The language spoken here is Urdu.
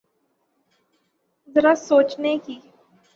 ذرا سوچنے کی۔